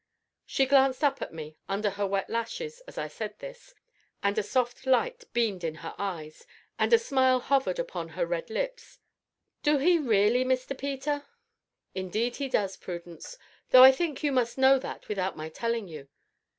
She glanced up at me, under her wet lashes, as I said this, and a soft light beamed in her eyes, and a smile hovered upon her red lips. "Do he really, Mr. Peter?" "Indeed he does, Prudence, though I think you must know that without my telling you."